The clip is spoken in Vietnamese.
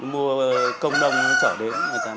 mua công nông nó trở đến